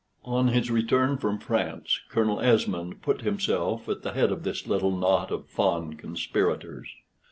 On his return from France Colonel Esmond put himself at the head of this little knot of fond conspirators.